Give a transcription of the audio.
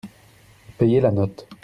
Payez la note.